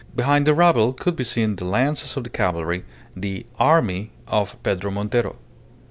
Behind the rabble could be seen the lances of the cavalry, the "army" of Pedro Montero.